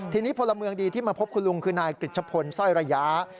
ทีนี้พลเมืองดีที่มาพบคุณลุงคือนายกริจชะพลสร้อยระยะ